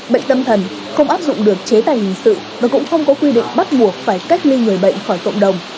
bệnh tâm thần không áp dụng được chế tài hình sự và cũng không có quy định bắt buộc phải cách ly người bệnh khỏi cộng đồng